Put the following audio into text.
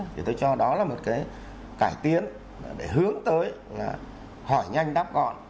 thì tôi cho đó là một cái cải tiến để hướng tới là hỏi nhanh đáp gọn